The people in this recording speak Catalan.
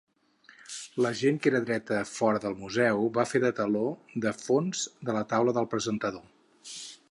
La gent que era dreta fora del museu va fer de teló de fons de la taula del presentador.